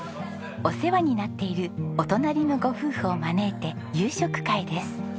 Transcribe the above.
お世話になっているお隣のご夫婦を招いて夕食会です。